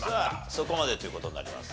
そこまでという事になります。